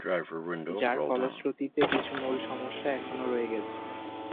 যার ফলশ্রুতিতে কিছু মূল সমস্যা এখনো রয়ে গেছে।